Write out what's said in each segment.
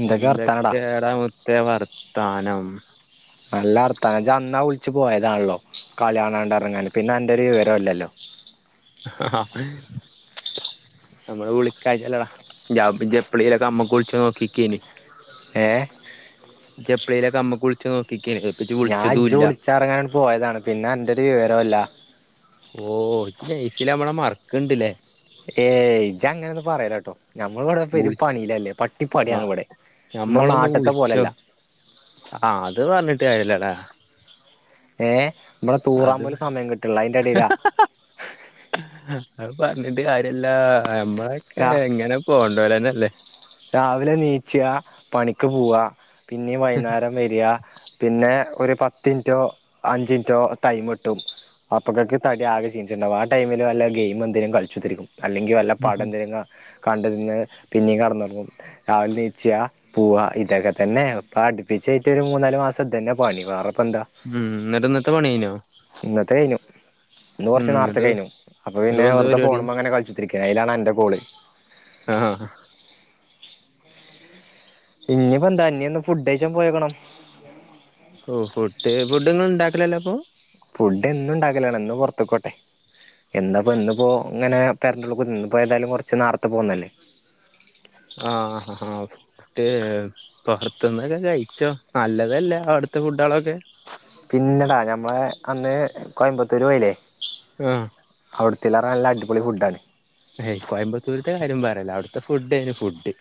എന്തൊക്കെ വർത്താനടാ എന്തൊക്കെയ ഏടാമുത്തേ വാർത്ത ത്താനം നല്ല വർത്താനം ഇജ് അന്നാ വിളിച്ച് പോയതാണല്ലോ കളിയാണാണ്ട് ഇറങ്ങാൻ പിന്നെ അന്റെ ഒരു വിവരുല്ലല്ലോ ആ നമ്മള് വിളിക്കായിട്ടല്ലടാ ഇജെ എപ്പളേലൊക്കെ അമ്മക്ക് വിളിച്ചോ നോക്കിക്കേനി ഏ ജെപ്പ്ളിയിലൊ ക അമ്മ വിളിച്ചോ നോക്കി ഞാൻ ഇജ് വിളിച്ചറങ്ങാട്ട് പോയതാണ് പിന്നെ അന്റെ ഒരു വിവരുല്ല ഓ ജയ്സിൽ നമ്മളെ മറക്ക്ണ്ട്ല്ലേ ഏയ് ഇജ് അങ്ങനൊന്നും പറയലട്ടോ നമ്മൾവിടെ പെരും വിളിച്ച പണിയിലല്ലേ പട്ടിപ്പണിയാണ് ആ ഇവിടെ നമ്മള നമ്മളൊന്ന് നാട്ട്ത്തെ വിളിച്ചോ പോലല്ല ട്ട് കാര്യല്ലടാ ഏ നമ്മള തൂറാൻ അത് പോലും സമയം കിട്ട്ള്ള അയിന്റെ എടേലാ അത് പറഞ്ഞിട്ട് കാര്യല്ലാ ആ നമ്മളൊക്കെ എങ്ങനെ പോകേണ്ടോലെന്നല്ല ല്ലേ രാവിലെ നീച്ച പണിക്ക് പോവാ പിന്നീ വൈകുന്നേരം വരിക പിന്നെ ഒരു പത്തിൻറ്റോ അഞ്ചിൻറ്റോ ടൈം കിട്ടും അപ്പൊക്കൊക്കെ തടി ആകെ ക്ഷീണിച്ചിട്ടുണ്ടാവും ആ ടൈമിൽ വല്ല ഗെയിം എന്തെങ്കിലും കളിച്ചു ഇരിക്കും അല്ലെങ്കിൽ വല്ല പടം ന്തേലും ക കണ്ടന്ന് പിന്നീ കട്ന്നൊ രാവിലെ എണീച്ച പൂവാ ഇതൊക്കെ തന്നെ ഇപ്പൊ അടുപ്പിച്ചട്ട് ഒരു മൂന്നാല് മാസം ഇത് തന്നെ പണി വേറെ ഉം എന്നിട്ട് ഇന്നത്തെ പണി കഴിഞ്ഞോ ഇന്നത്തെ കഴിഞ്ഞു ഇന്ന് ഉം കുറച്ച് എന്നിട്ട് നേർത്തെകഴിഞ്ഞു അപ്പൊപിന്നെ ഇന്നിട്ടിപ്പോ എന്താ വെറുതെ പരിപാടി ഫോണുംമെ അങ്ങനെ കളിച്ചിരിക്കും അയിലാണ് അൻ്റെ കോൾ ആ ഇനിയിപ്പോ എന്താ അന്ന ഒന്ന് ഫുഡ്കഴിച്ചാൻ പോയോക്കണം ഓ ഫുഡ് ഫുഡൊന്നും ഉണ്ടാക്കലല്ല അപ്പൊ ഫുഡ് എന്നും ഉണ്ടാക്കലാണ്ന്ന് പുറത്തക്കോട്ടെ എന്താപ്പോ ഇന്ന് പോ ഇങ്ങനെ പരറുള്ള കുന്ന് പോ ഏതായാലും കുറച്ച് നേരത്തെ പോന്നല്ലേ ആ ആ ആ ഏ [unintelligible] പുറത്തുന്നൊക്കെ കഴിച്ചോ നല്ലതല്ലേ അവിടുത്തെ ഫുഡുകളൊക്കെ പിന്നെടാ ഞമ്മളെ അന്ന് കോയമ്പത്തൂരു പോയില്ലേ ആ അവിടുത്തിലേറെ നല്ല അടിപൊളി ഫുഡാണ് യ് കോയമ്പത്തൂരിത്തെ കാര്യം പറയല്ല അവിടുത്തെ ഫുഡേന് ഫുഡ്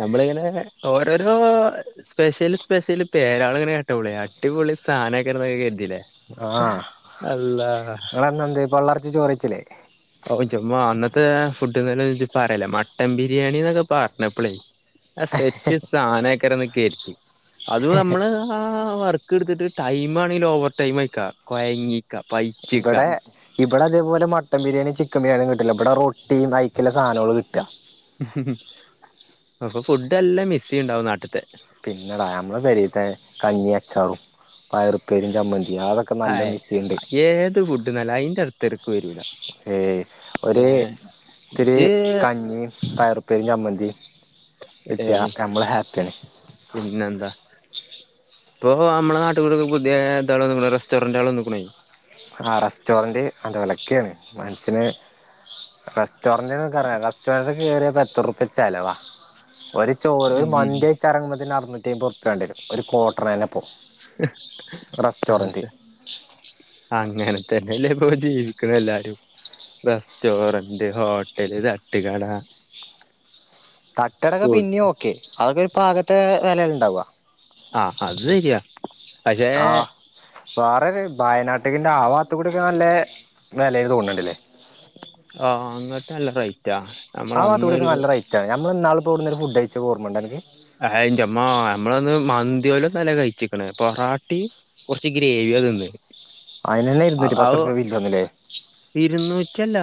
നമ്മളിങ്ങനെ ഓരോരോ സ്പെഷ്യല് സ്പെഷ്യല് പേരാള് ഇങ്ങനെ കേട്ടപ്പളെ അടിപൊളി സാധനക്കന്നൊക്കെ കരുതില്ലേ ആഹ് അള്ളാ ന്നട്ട് അന്നെന്തേ പള്ള നെറച്ചു ചൊറുകഴിച്ചില്ലേ ഓ ന്റമ്മ അന്നത്തെ ഫുഡ്ന്നല്ല പറയല്ലേ മട്ടൻ ബിരിയാണി എന്നൊക്കെ പറഞ്ഞപ്പളേ ആ സെറ്റ് സാനൈക്കരന്നൊക്കെ ആ അത് നമ്മള് ആ വർക്ക് എടുത്തിട്ട് ടൈം ആണെങ്കിലും ഓവർ ടൈം വയ്ക്കാം കൊയങ്ങിക്കാ പൈച്ചക ഇവിടെ ഇവിടെ അതേപോല മട്ടൻ ബിരിയാണിയ ചിക്കൻ ബിരിയാണിയും കിട്ടില്ല ഇടെ റൊട്ടിയാ കയിക്കല സാധനങ്ങൾ കിട്ടുക അപ്പൊ ഫുഡ് എല്ലാം മിസ്സ് ചെയ്യണ്ടാവും നാട്ടിത്തെ പിന്നെടാ നമ്മളെ പെരേത്തെ കഞ്ഞി അച്ചാറും പയറുപേരിം ചമ്മന്തി ആ ഏത് ഫുഡ് നല്ല അതിൻ്റെ അടുത്ത് തെരക്ക് വരൂല ഏ ഒരു ഏ ഇത്തിരി ഇജ്ജ് കഞ്ഞി പയറുപ്പേരിം ചമ്മന്തി കിട്ടിയ ഏയ് നമ്മള് ഹാപ്പിയാണ് പിന്നെന്താ ഇപ്പൊ നമ്മള നാട്ടുകെ പുതിയ എന്താ പറയുന്ന റെസ്റ്റോറൻ്റ് വന്നേക്കണ് ആ റെസ്റ്റോറന്റ് അതു ഒലക്ക ആണ് മനുഷ്യന് റസ് റെസ്റ്റോറൻ്റ് നിങ്ങൾക്കറിയാം റെസ്റ്റോറന്റ്ക്ക് കേറിയാൽ എത്ര റുപ്പിയ ചിലവ ഒരു ചോറ് ഒരു ഉം മന്തി കഴിച്ചിറങ്ങുമ്പതന്നെ മുന്നൂറ്റി അൻപത് റൂപ്പി വരും ഒരു കോർട്ടർ തന്നെ അത് റസ്റ്റോറൻറ് അങ്ങനെ തന്നെല്ലേ ബ്രോ ഇപ്പോ ജീവിക്കുന്ന എല്ലാരും റെസ്റ്റോറന്റ് ഹോട്ടല് തട്ടുകട തട്ടുകടയെക്കെ ഫുഡ് പിന്നെയും ഓക്കെ അതൊക്കെ ഇപ്പോ ആകെ ത്തെ വിലയുണ്ടാവുക ആ അത് ശരിയാ പക്ഷെ വേറൊരു വയനാട്ടിന്റെ ആവാത്തു കൂടിയൊക്കെ നല്ല നിലയിൽ തോന്നുന്നുണ്ടല്ലേ മറ്റ നമ്മൾ അന്നൊരു നമ്മൾ ഇന്നാൾ ഇവിടുന്നു ഒരു ഫുഡ് കയിച്ച ഓർമയുണ്ടാനിക്ക് ആ എൻ്റെമ്മ നമ്മളന്ന് മന്തി പോലെ നല്ല കഴിച്ചിക്കണ പൊറാട്ടി കുറച്ച് ഗ്രേവിതിന്നന്ന് അതിനന്നെ ഇരുന്നൂറ്റി അ പത്തുറുപ്യ ബില്ല് വന്നില്ലേ ഇരുന്നൂറ്റിയല്ല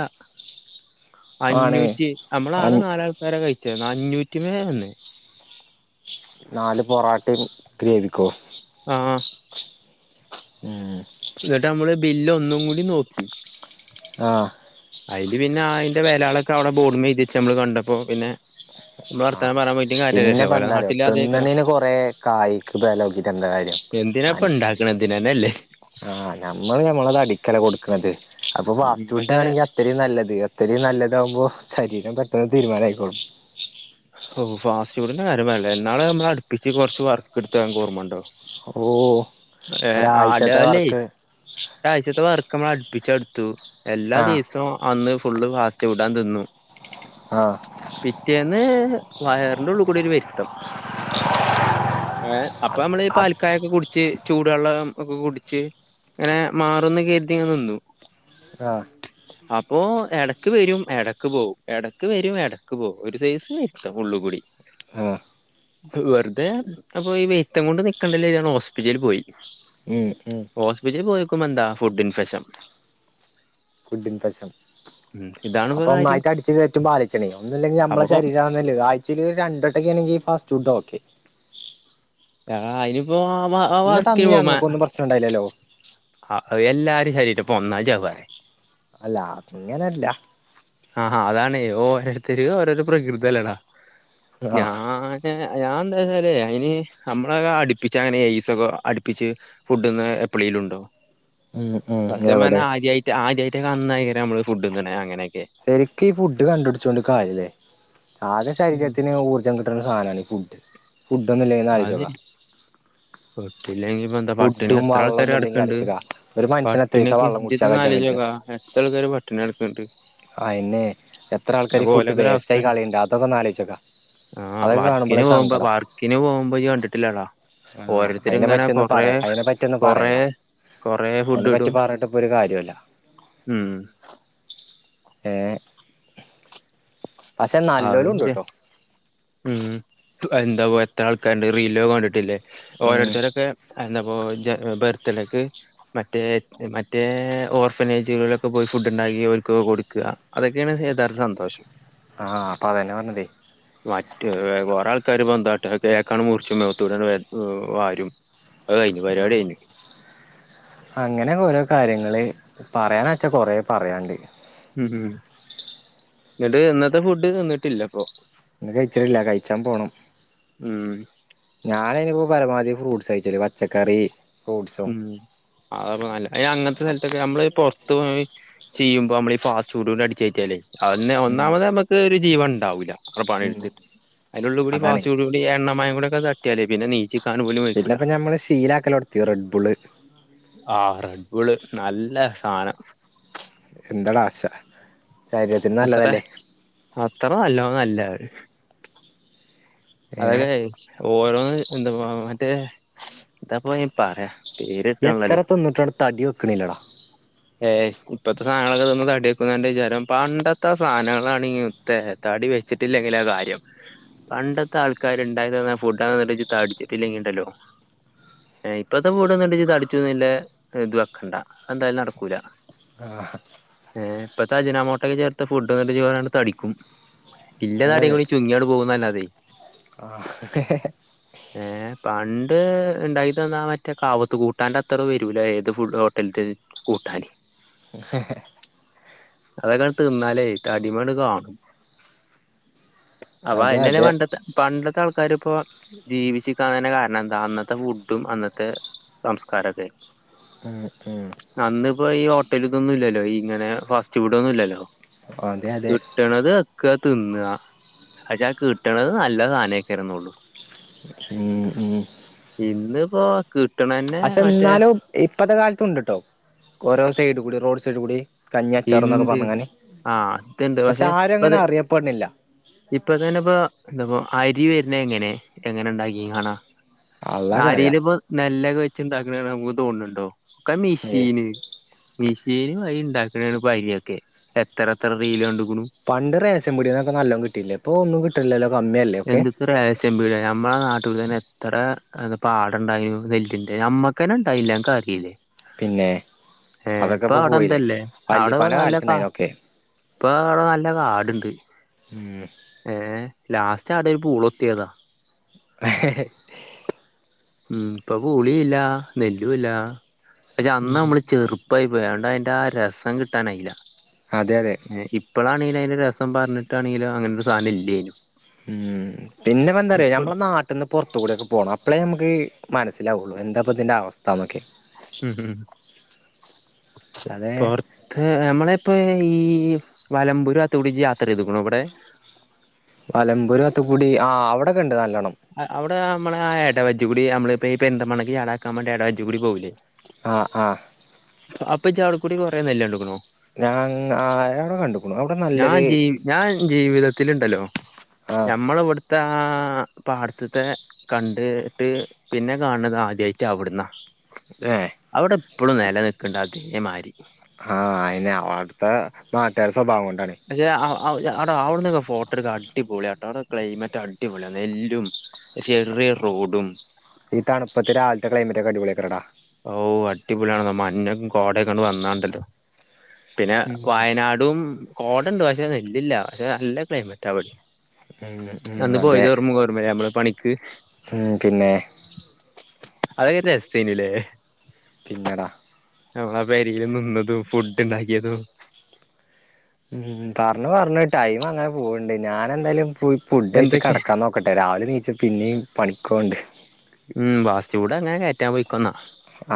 ആണ് അഞ്ഞൂറ്റി നമ്മള് ആകെ നാലാൾക്കാരെ കഴിച്ചു അഞ്ഞൂറ്റി മേലെ അല്ലേ നാല് പൊറാട്ടയും ഗ്രേവിക്കോ [inaudible] മ് എന്നിട്ട് നമ്മള് ബില്ല് ഒന്നും കൂടി നോക്കി ആ അതില് പിന്നെ അതിന്റെ വെലകളൊക്കെ അവിടെ ബോർ ഡിമേൽ എഴ്തിച്ച്ച് നമ്മള് കണ്ടപ്പോ പിന്നെ നമ്മള് ആഹ വർത്താനം പറയാൻ പോയിട്ടും പിന്നെ കാര്യല്ലല്ലോ ഓലെ പണ്ടാരംഎന്താലോ നാട്ടില് അതേക്കാരം തിന്നണേന് കൊറെ കായ്ക്ക് വില നോക്കിട്ട് എന്താ കാര്യം മന എന്തിനാപ്പ ഇണ്ടാക്കണ ഇതിനന്നെല്ലേ ആഹ് ഞമ്മള് ഞമ്മളത് അടിക്കല കു [unintelligible] അപ്പൊ ഉം ഫാസ്റ്റ് പക്ഷെ ഫുഡാണെങ്കി അത്രയും നല്ലത് അത്രയും നല്ലതാകുമ്പോ ശരീരം പെട്ടെന്ന് തീരുമാനായിക്കോളും ഓ ഫാസ്റ്റ് ഫുഡിന്റെ കാര്യം [unintelligible] ഇന്നാള് നമ്മള അടുപ്പിച്ച് കൊറച്ച് വർക്ക്ട്ത്തത്ത് അന്ക്ക് ഓർമ്മണ്ടോ ഓ ഏഹ് ഒരാഴ്ചത്തെ വർക്ക് [unintelligible] അടുപ്പിച്ചടുത്തു എല്ലാ ആഹ് ദീസവും അന്ന് ഫുള്ള് ഫാസ്റ്റ് ഫുഡാ തിന്നു ആഹ് പിറ്റേന്ന് വയറിന്റെ ഉള്ളിക്കൂടി ഒരു വരുത്തം ഏ അപ് ഇപ്പൊ നമ്മളീ അത് പാൽക്കായ ഒക്കെ കുടിച്ച് ചൂടുവെള്ളം ഒക്കെ കുടിച്ച് ഇങ്ങനെ മാറുന്ന് കരുതിങ്ങ് നിന്നു ആഹ് അപ്പോ എടക്ക് വരും എടക്ക് പോവും എടക്ക് വരും എടക്ക് പോവും ഒരു സൈസ് [unintelligible] [unintelligible] ആഹ് വെറുതെ അപ്പൊ ഈ വെര്ത്തം കൊണ്ട് നിക്കണ്ടല്ലേ [unintelligible] ഞാൻ ഹോസ്പിറ്റലില് പോയി ഉം ഉം ഹോസ്പിറ്റലില്‌ പോയ [unintelligible] മെന്താ ഫുഡിൻഫെഷം ഫുഡിൻ ഫെഷം ഉം ഇതാണിപ്പോ അപ്പോ കാര്യം ഒന്നായിട്ട് അടിച്ച്കേറ്റുമ്പോൾ ആലോയിച്ചണേ ഒന്നില്ലെങ്കിൽ നമ്മളെ അപ്പൊ ശരീരം [unintelligible] ഇത് [unintelligible] രണ്ടവട്ടക്കെയാണെങ്കി ഫാസ്റ്റ് ഫുഡ്‌ ഓക്കെ ആ അയിനിയിപ്പോ ഇന്നട്ട് അന്ന് ഞങ്ങക്കൊന്നും പ്രശ്നം ഇണ്ടായില്ലല്ലോ ആ എല്ലാരീം ശരീരപ്പോ ഒന്നാ [unintelligible] അല്ല അങ്ങനെല്ല ആഹാ അതാണെ ഓരോരുത്തരതും ഓരോരോ പ്രകൃതല്ലേടാ ആ ഞാന് ഞാൻ എന്താച്ചാലെ അയിന് നമ്മളക്കെ അടുപ്പിച്ച് അങ്ങനെ ഏയീസൊക്കെ അടുപ്പിച്ച് ഫുഡ്ഡ് ന്ന്ണ എപ്പളേലും ഉണ്ടോ ഉം ഉം എവടെ [unintelligible] നന്നായി നമ്മള് ഫുഡ്ന്ന്ണ് അങ്ങനെക്കെ ശരിക്ക് ഈ ഫുഡ് കണ്ടു പിടിച്ചോണ്ട് കാര്യല്ലേ ആദ്യം ഉം ശരീരത്തിന് ഊർജ്ജം കിട്ട [unintelligible] സാനാണ് ഈ ഫുഡ് ഫുഡൊന്നുല്ലെങ്കി ഒന്ന് ആലോയിച്ചുനോക്കാ [unintelligible] ഇല്ലെങ്കി ഇപ്പ എന്താ പട്ടിണി എത്ര ആൾക്കാര് ഒന്നും ഇല്ലെങ്കിൽ കെടക്ക്ണ്ട് ആലോചിച്ചോക്ക ഒരു മനുഷ്യന് എത്ര പട്ടിണി ദിവസം ഒക്കെ [unintelligible] വെള്ളം ഇജി കുടിച്ചാൽ കജ്ജാൻ ഇതൊന്നാലോയിച്ചോക്കാം എത്ര ആൾക്കാര് പട്ടിണിഎട ന്നിട്ട്. ആയിന്നെ എത്ര ആൾക്കാര് ഫുഡ് ഓലൊക്കെ ഒരു വേസ്റ്റായി അവസ്ഥ കളിയണ്ട് അതൊക്കെ ഒന്നാലചിച്ചോക്കാം അതൊക്കെ കാണുമ്പോൾ സങ്കടം. ഇന് പോമ്പോ ഇയ്യ് കണ്ടിട്ടില്ലാല. ആഹ് അയിനെ പറ്റിയൊന്നും പറയ അതിനെ പറ്റിയൊന്നും കൊറേ പറയണ്ട കൊറേ അതിനെ ഫുഡ് പറ്റി ഇടും പറഞ്ഞിട്ട് ഇപ്പൊ ഒരു കാര്യല്ല. ഉം ഏഹ്. പക്ഷെ അത് നല്ലോലുണ്ട്ട്ടോ എന്താവാ എത്രൾക്കാര്ണ്ട് റീലോക്കെ കണ്ടിട്ടില്ലേ ഉം ഓരോര്ത്തരൊക്കെ എന്താ [unintelligible] ബർത്തഡേക്ക് മറ്റേ മറ്റേ ഓർഫനേജുകളിലൊക്കെ പോയി ഫുഡ് ണ്ടാക്കി ഓര്ക്കൊക്കെ കൊട്ക്ക അതൊക്കെയാണ് യഥാർത്ഥ സന്തോഷം. ആ അപ്പ തെന്നെ പർഞ്ഞത് മറ്റേ കൊറെ ആൾക്കാര് പന്താട്ടാ കേക്കാണ് മുർച്ചും മേത്തൂടാണ്ട് വാ വാരും അഅ് കയ്ഞ്ഞ് പരിവാട്യഞ്ഞ്. അങ്ങനെ ഓരോ കാര്യങ്ങള് പറയാന വച്ചാ കൊറേ പറ്യാണ്ട്. ഉം ഉം ന്നട്ട് ഇന്നത്തെ ഫുഡ് തിന്ന്ട്ടില്ല പ്പൊ ഇന്ന് കയ്ച്ച്ണില്ല കയ്ച്ചാ പോണം. ഉം ഞാനയിന്പൊ പരമാവധി ഫ്രൂട്ട്സ ഴ്ച്ചല് പച്ചക്കറി ഫ്രൂട്ട്സും ഉം അതാ പ്പനല്ലേ അയ്നങ്ങൻത്തെ സ്ഥല്തൊക്കെ നമ്മളിപൊ ർത്ത് പോയി ചിയ്യുമ്പൊ നമ്മള് ഈ ഫാസ്റ്റ് ഫുഡൂഡിം അടിച്ച് കേറ്റ്യാലെ അഎന്നെ ഉം ഒന്നാമതമ്മക്ക് ഒരു ജീവണ്ടാവൂല അഅ് ഉം പണിട്ത്ത് അയ്ൻ്റുള്ളിൽ കൂടി അതാണ് ഫാസ്റ്റ്ഫുഡുടി എയണ്ണ മയെ കൂട്യൊക്കെ തട്യാല് പിന്ന നീ പിന്നെപ്പ ഞമ്മള് ശീലാക്കലൊട്ത്തി റെഡ്ബുള് ആ റെഡ്ബൂൾ നല്ല സാനം എന്തെടാ ആശാ അത്രെ അത്ര നല്ലെയ് ഒ അല്ല അവര് ഏ അതെന്നെയാണെ ഓരോന്ന് എന്താപ്പോ മറ്റേ എത്താപ്പോ അയിന് പറിയാ എത്ര തിന്ന്ട്ടും ആണ്ട് തടി വെക്ക്ണില്ലെടാ ഏ ഇപ്പത്തെ സാനങ്ങൾ ഒക്കെ തിന്ന് തടി വെക്കുന്നാ അന്റെ വിചാരം പണ്ടത്തെ ആ സാനങ്ങളാണെങ്കി മുത്തേ തടി വെച്ചിട്ടില്ലെങ്കിലാ കാര്യം. പണ്ടത്തെ ആൾക്കാര് ഇണ്ടാക്കി തന്ന ഫുഡൊക്കെ തിന്നിട്ട് ഇജ് തടിച്ചിട്ട് ഇല്ലെങ്കി ഇണ്ടല്ലോ ഏ ഇപ്പത്തെ ഫുഡ് തിന്ന്ട്ട് ഇജ് തടിച്ചുംന്ന് ഇല്ലെ ഇത് വെക്കെണ്ട അത് എന്തായാലും നടക്കു ക്കുലാ ഏ ഇപ്പെത്തെ അജ്നാമോട്ടെ ഒക്കെ ചേർത്ത ഫുഡൊക്കെ തിന്ന്ട്ട് ഇജ് കൊറെ ആണ്ട് തടിക്കും അതെ ഇല്ലതടിം അതെ കൂടി ചുങ്ങിയാണ്ട് പോകുന്ന് അല്ലാതെ ആ ഏ പണ്ട് ഇണ്ടാകി തന്നാ ആ മറ്റെ കാവ്ത്ത് കൂട്ടാന്റെ അത്ര വെരൂലാ ഏത് ഫുഡും ഹോട്ടൽത്തെയ് കൂട്ടാന് അതൊക്കെ ഇങ്ങട്ട് തിന്നാലെ തടിമ്മെ ഇങ്ങട്ട് കാണും അപ്പ അതെ അയെന്നെ അല്ലെ അതെ പണ്ടെത്തെ പണ്ടെ ഇന്നത്തെ ആൾക്കാരിപ്പൊ ജീവിച്ചിരിക്കാതന്നെ കാരണം എന്താ അന്നത്തെ ഫുഡും അന്നത്തെ സംസ്കാരൊക്കെ ഉം ഉം അന്ന് ഇപ്പൊ ഈ ഹോട്ടല് തൊന്നും ഇല്ലലൊ ഇങ്ങനെ ഫാസ്റ്റ് ഫുഡൊന്നും ഇല്ലലൊ അതെ അതെ കിട്ട്ണത് നക്ക തിന്ന അചാ കിട്ട്ണത് നല്ല സാനേക്കരംന്നൊള്ളു ഉം ഉം വാക്ക് പഷെന്നാലും ഇപ്പത്തെ കാലത്തുണ്ട്ട്ടോ ഓരോ സൈഡ് കുടി റോഡ് സൈഡ് കുടി കഞ്ഞി അച്ചാറും ന്നൊക്കെ ഇണ്ട് പറഞ്ഞ്ങ്ങനെ ആഹ് ഇതുണ്ട് പഷെ ആരും അങ്ങനെ അറിയപ്പെട്ണില്ല ഇപ്പൊതന്നൊപ്പൊ അരി വര്നെങ്ങനെ എങ്ങനെണ്ടാക്കി കാണാ അള്ളാക്കറിയാം കാരീലിപ്പൊ നെല്ല് ചിന്താക്ക്ണെ നമുക്ക് തോന്ന്ണ് ണ്ടോ ഒക്കെ ഏ മിഷീന് മിഷീന് വഴി ണ്ടാക്കും [unintelligible] എത്ര എത്ര റീലണ്ടു പണ്ട്‌ റേഷൻ പീടേലൊക്കെ നല്ലോം കിട്ടീനില്ലേ ഇപ്പോ ഒന്നും കിട്ട ലല്ലോ എന്ത്ത്ത് റേഷംപീട്യ ഞാൻ നമ്മളെ നാട്ടിൽ തന്നെ എത്ര പാടണ്ടായിനു നെല്ലിന്റെ നമ്മക്കന്നെണ്ടായിൻലേ മ്മക്കാദ്യേ പിന്നെ ഏ അതൊക്കെ ഇപ്പൊ പ്പൊആടെ പോയില്ലേ ന്താല്ലേ അവിടെ വല്ലിപ്പാന്റെ നല്ല കാ കാലത്തുണ്ടായിനൊക്കെ ഇപ്പൊ അടെ നല്ല കാട് ണ്ട് മ്മ് ലാസ് സ്റ്റ് അത് പൂളത്തിയതാ ഉം ഇപ്പൊ പൂളീല്ല നെല്ലുല്ല പക്ഷെ അന്ന് നമ്മള് ചെറുപ്പായി വേണ്ട അയ്ന്റെ ആ രസം കിട്ടാനായില്ല അതെ അതെ ഇപ്പളാണേൽ രസം പറഞ്ഞിട്ടാണെങ്കില് അങ്ങനൊരു സാധനം ഇല്ലേനും ഉം പിന്നെപ്പന്താന്നറിയോ ഞമ്മള ഇപ്പളും നാട്ട്ന്ന് പൊർക്കൂടൊക്കെ പോണം അപ്പളെ നമു ക്ക് മനസ്സിലാവുള്ളൂ എന്താപ്പതിന്റെ അവസ്ഥ ന്നൊക്കെ ഉം ഉം അല്ലാതെ പൊറത്ത് നമ്മളെ ഇപ്പൊ ഈ വലമ്പൂരു വാത്ത്ക്കൂടി ജ്ജ് യാത്ര ചെയ്ത്ക്ക്‌ണോ വടെ വലമ്പൂര് വാത്ത്ക്കൂടി ആ അവിടൊക്കെ ഉണ്ട് നല്ല അവിടെ നമ്മളെ ആഹ് എടവജ്ജ്‌കൂടി നമ്മളിപ്പോ ഈ പെരിന്തൽമണ്ണക്ക് ചടാതക്കാൻ വാണ്ടി എടവജ്ജ്‌ക്കൂടി പോവൂല്ലേ ആഹ് ആഹ് അപ്പൊജ്ജ് വ്ക്കുടി കൊറേ നെല്ലണ്ട്‌ക്ക്‌ണോ ഞാൻ ആഹ് അത് ഞാൻ അവിടെ കണ്ടു ഞാൻ ജീ ഞാൻ ജീവിത ത്തില്ണ്ടല്ലോ ആ ഞമ്മളെവ്ട്ത്തെ ആഹ് പാട്ത്ത്ത്തെ കണ്ടിട്ട് പിന്നെ കാണ്ണത് ആദ്യായ്ട്ട് അവിട്ന്നാ ഏഹ് പ്പളും നെല നിൽക്ക്‌ണ്ട്‌ അതേ മാരി ആയെന്നെ ആണോ അവ്ട്ത്തെ നാട്ടാരെസ് അഷേ ഔ ആഹ് [unintelligible] ആടെ ആവ്ട്ന്നൊക്കെ ഫോട്ടടുക്ക അടിപൊളിയാട്ടോ അടെ ക്ലൈമറ്റ അടിപൊളിയാ നെല്ലും ചെറ്യ റോഡും ഈ തണുപ്പത്ത് രാവിൽത്തെ ക്ലൈമറ്റ് ഒക്കെ അടിപൊളിയാക്കാരാടാ. ഓഹ് അടിപൊളിയാണ് ന്ന മഞ്ഞും കോടയൊക്കെണ്ട് വന്നാണ്ടല്ലോ. പിന്നെ വയനാടും കോടണ്ട് പക്ഷെ നെല്ലില്ല പക്ഷെ നല്ല ക്ലൈമറ്റാ പക്ഷേ ഉം ഉം അന്ന് അതെ പോയത് ഓർമ ഓർമല്യേ അമ്മള് പണി ക് ഉം പിന്നെ അതൊക്കെ ഒരു രസെയ്ഞു ലേ പിന്നടാ നമ്മളാ വെരിയിൽ നിന്നതും, ഫുഡ്ണ്ടാക്കിയതും ഉം പാർഞ്ഞു പാർഞ്ഞു ടൈമ് അങ്ങനെ പോവ്ണ്ട്. ഞാനെന്തായാലും പോയി ഫുഡയ്ച്ച് എന്തൊക്കെ കടക്കാൻ നോക്കട്ടെ. രാവിലെ ണീച് പിന്നെയും പണി കോണ്ട് ഉം ഫാസ്റ്റ് ഫുഡ്‌ ങ്ങനെ കേറ്റാൻ പൊയ്ക്കോന്നാ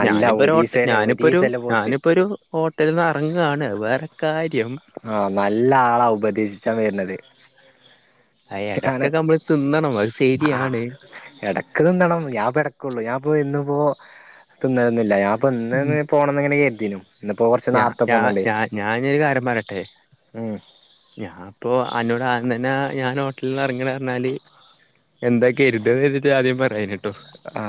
അല്ല ഞാനിപ്പൊ ഒരു ഓട്ട് ഒരീസല്ലേ ഞാനിപ്പൊരു ഒരീസല്ലേ ബോസ് ഞാനിപ്പൊരു ഓ റ്റ്ൽന്നെറങ്ങാണ്. വേറെ കാര്യം ആഹ് നല്ല ആളാ ഉപദേശിച്ചാൻ വര്ന്നത് ആ ആണ് ഇടക്കൊക്കെ നമ്മള് തിന്നണം അത് ആഹ് ശരിയാണ് എടക്ക് തിന്നണം ഞാൻപ്പം എടക്കൊള്ളു ഞാൻ ഇപ്പോ ഇന്നിപ്പോ തിന്നലൊന്നില്ല ഞാപ്പൊ പ്പം ഇന്ന് പോണന്ന്ങ്ങനെ കര് ദിനും ഞാ ഞാ ഞാ ഞാനൊരു കാര്യം പറയട്ടെ ഉം ഞാൻ അപ്പോ അന്നോട് ആദ്യത്തെന്നേ ഞാൻ ഹോട്ടലില്ന്ന് ഇറങ്ങാണ്റഞ്ഞാല് എന്താ കര്താന്ന്ര്തിട്ടാ ആദ്യം പറയാഞ്ഞേ ആ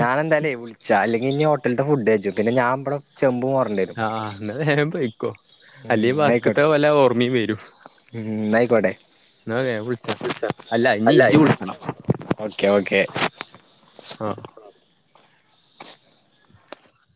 ഞാനെന്തല്ലേ വിളിച്ചാ അല്ലെങ്കിഞ്ഞ് ഹോ ട്ടല്ത്തേ ഫുഡഴിച്ചു പിന്നെ ഞാൻ ഇവിടെ ചെമ്പ് മോ ആഹ് ഇന്നാനേരം പോയിക്കോ ഉം അല്ലേ വർക്കത്തെ ന്നായിക്കോട്ടെ വല്ല ഓർമ്മേം വരും ഉം ന്നായിക്കോട്ടെ ന്നാ ഞാൻ [unintelligible] ഓക്കെ ഓക്കെ ആഹ്